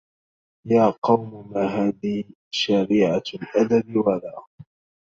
يا قوم ما هذي شريعة الأدب ولا